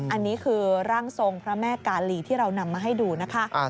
อันนี้คือร่างทรงพระแม่กาลีที่เรานำมาให้ดูนะคะ